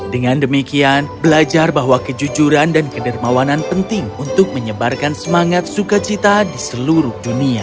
dengan demikian belajar bahwa kejujuran dan kedermawanan penting untuk menyebarkan semangat sukacita di seluruh dunia